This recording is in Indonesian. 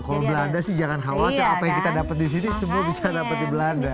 kalau belanda sih jangan khawatir apa yang kita dapat di sini semua bisa dapat di belanda